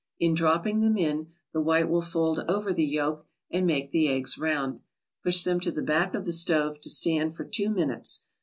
In dropping them in, the white will fold over the yolk and make the eggs round. Push them to the back of the stove to stand for two minutes.